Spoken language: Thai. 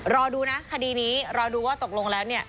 รอดูนะคดีนี้รอดูว่าตกลงแล้วเนี่ย